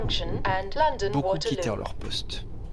Beaucoup quittèrent leur poste.